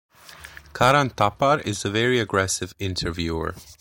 Karan Thapar is a very aggressive interviewer.